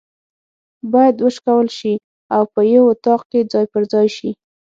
بايد وشکول سي او په یو اطاق کي ځای پر ځای سي